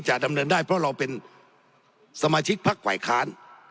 ดำเนินได้เพราะเราเป็นสมาชิกพักฝ่ายค้าน